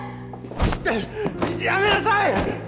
うっやめなさい。